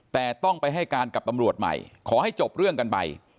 แต่ต้องไปให้การกับตำรวจใหม่ขอให้จบเรื่องกันไป